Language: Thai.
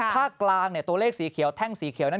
ภาคกลางตัวเลขสีเขียวแท่งสีเขียวนั้น